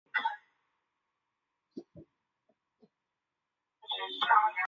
苗礼士是港龙航空创办人及首任行政总裁。